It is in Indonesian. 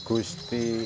kesenian tradisional ebek